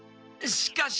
しかし。